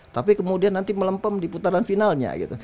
tapi kemudian nanti melempem di putaran finalnya gitu